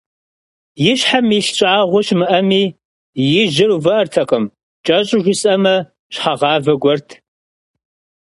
И щхьэм илъ щӀагъуэ щымыӀэми, и жьэр увыӀэртэкъым, кӀэщӀу жысӀэмэ, щхьэгъавэ гуэрт.